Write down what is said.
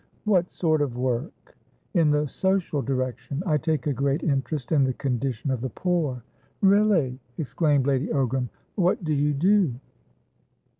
"What sort of work?" "In the social direction. I take a great interest in the condition of the poor." "Really?" exclaimed Lady Ogram. "What do you do?"